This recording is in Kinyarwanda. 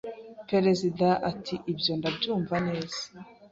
Perezida ati ibyo ndabyumva neza